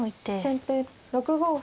先手６五歩。